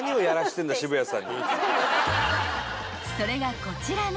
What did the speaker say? ［それがこちらの］